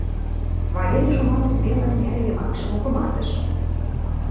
Валерий Шуматов веле нер йымакше мугыматыш: